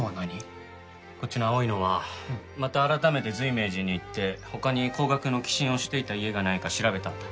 こっちの青いのはまた改めて随明寺に行って他に高額の寄進をしていた家がないか調べたんだ。